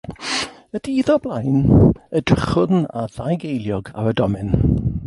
Y dydd o'r blaen edrychwn ar ddau geiliog ar y domen.